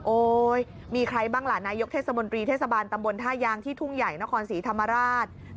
โอ้ยมีใครบ้างล่ะนายกเทศมนตรีเทศบาลตำบลท่ายางที่ทุ่งใหญ่นครศรีธรรมราช